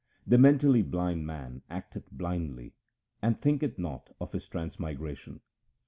The mentally blind man acteth blindly, and thinketh not of his transmigration.